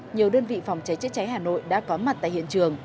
nhiều đơn vị phòng cháy chữa cháy hà nội đã có mặt tại hiện trường